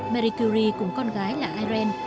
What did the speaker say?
marie curie cùng con gái là irene